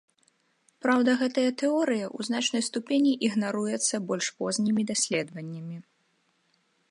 Праўда гэтая тэорыя ў значнай ступені ігнаруецца больш познімі даследаваннямі.